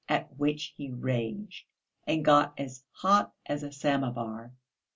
At which he raged, and got as hot as a samovar.